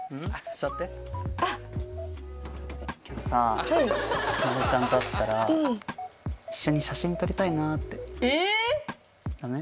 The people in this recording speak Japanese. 座ってあっ今日さかなでちゃんと会ったらはいうん一緒に写真撮りたいなってええダメ？